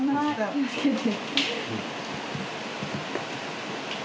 気をつけて。